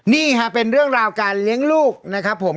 นี่ค่ะเป็นเรื่องราวการเลี้ยงลูกนะครับผม